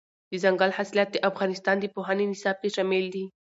دځنګل حاصلات د افغانستان د پوهنې نصاب کې شامل دي.